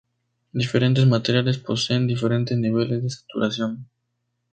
Diferentes materiales poseen diferentes niveles de saturación.